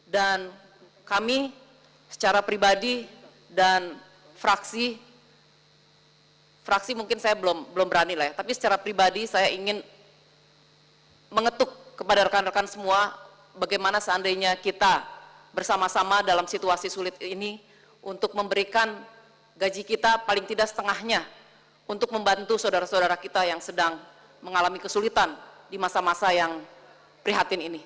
dan kami secara pribadi dan fraksi fraksi mungkin saya belum berani lah ya tapi secara pribadi saya ingin mengetuk kepada rekan rekan semua bagaimana seandainya kita bersama sama dalam situasi sulit ini untuk memberikan gaji kita paling tidak setengahnya untuk membantu saudara saudara kita yang sedang mengalami kesulitan di masa masa yang prihatin ini